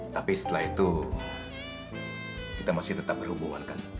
tapi setelah itu kita masih tetap berhubungan kan